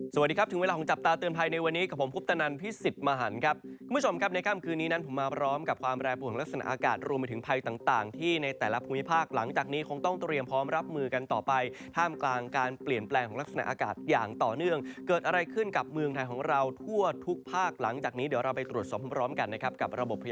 สวัสดีครับถึงเวลาของจับตาเตือนภัยในวันนี้กับผมพุทธนันทร์พี่สิทธิ์มหันครับคุณผู้ชมครับในค่ำคืนนี้นั้นผมมาพร้อมกับความแรงปลูกลักษณะอากาศรวมไปถึงภัยต่างที่ในแต่ละภูมิภาคหลังจากนี้คงต้องเตรียมพร้อมรับมือกันต่อไปห้ามกลางการเปลี่ยนแปลงของลักษณะอากาศอย่